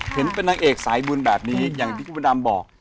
เห็นเป็นนางเอกสายบุญแบบนี้อย่างที่คุณพระดำบอก